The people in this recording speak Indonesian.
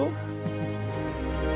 masih sekolah cari uang